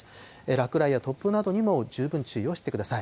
落雷や突風などにも十分注意をしてください。